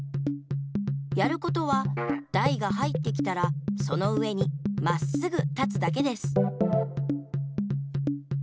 やることはだいがはいってきたらそのうえにまっすぐたつだけです。